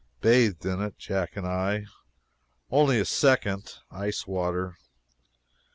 Bathed in it Jack and I. Only a second ice water.